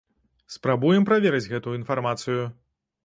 Спрабуем праверыць гэту інфармацыю.